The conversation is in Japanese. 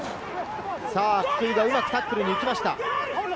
福井がうまくタックルに行きました。